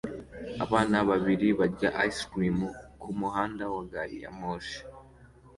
Abana babiri barya ice cream kumuhanda wa gari ya moshi